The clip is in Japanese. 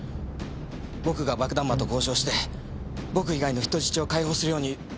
僕が爆弾魔と交渉して僕以外の人質を解放するように説得したんです。